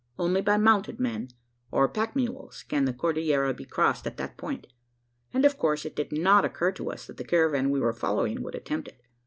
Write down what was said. Only by mounted men, or pack mules, can the Cordillera be crossed at that point; and of course it did not occur to us that the caravan we were following would attempt it.